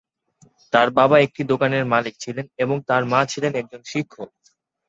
তাঁর বাবা একটি দোকানের মালিক ছিলেন এবং তাঁর মা ছিলেন একজন শিক্ষক।